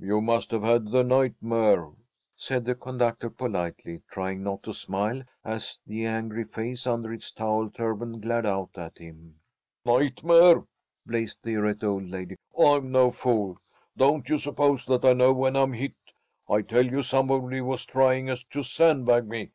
"You must have had the nightmare," said the conductor, politely, trying not to smile as the angry face, under its towel turban, glared out at him. "Nightmare!" blazed the irate old lady. "I'm no fool. Don't you suppose that I know when I'm hit? I tell you somebody was trying to sandbag me.